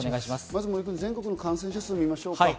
まず森君、全国の感染者数を見ましょうか。